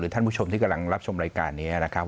ท่านผู้ชมที่กำลังรับชมรายการนี้นะครับ